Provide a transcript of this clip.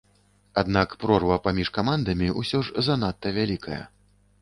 Аднак прорва паміж камандамі ўсё ж занадта вялікая.